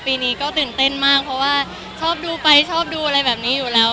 ปีนี้ก็ตื่นเต้นมากเพราะว่าชอบดูไปชอบดูอะไรแบบนี้อยู่แล้ว